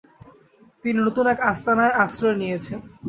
তিনি নতুন এক আস্তানায় আশ্রয় নিয়েছেন।